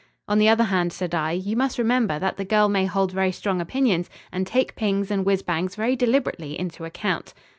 "On the other hand," said I, "you must remember that the girl may hold very strong opinions and take pings and whizz bangs very deliberately into account."